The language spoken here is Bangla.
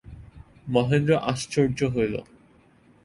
মহেন্দ্র আশ্চর্য হইল।